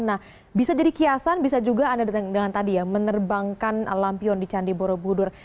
nah bisa jadi kiasan bisa juga anda dengan tadi ya menerbangkan lampion di candi borobudur